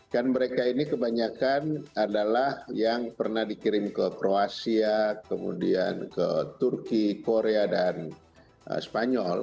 kan mereka ini kebanyakan adalah yang pernah dikirim ke kroasia kemudian ke turki korea dan spanyol